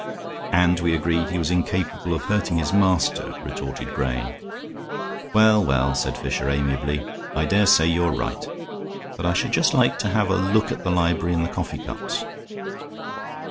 "And we agreed he was incapable of hurting his master," retorted Grayne. "Well, well," said Fisher, amiably, "I dare say you are right; but I should just like to have a look at the library and the coffee cups."